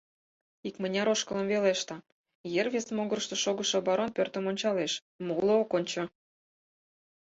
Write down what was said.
Икмыняр ошкылым веле ышта, ер вес могырышто шогышо барон пӧртым ончалеш, моло ок ончо...